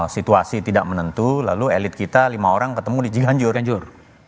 situasi tidak menentu lalu elit kita lima orang ketemu di cianjur cianjur